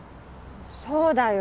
そうだよ。